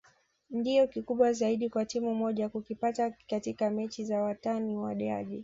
ndio kikubwa zaidi kwa timu moja kukipata katika mechi za watani wa jadi